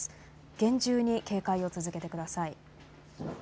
厳重に警戒を続けてください。